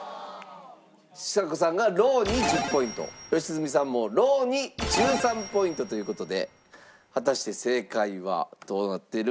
ちさ子さんがローに１０ポイント良純さんもローに１３ポイントという事で果たして正解はどうなっているんでしょうか？